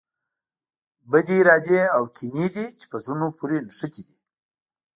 بدې ارادې او کینې دي چې په زړونو پورې نښتي دي.